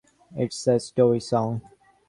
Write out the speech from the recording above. It's a story song.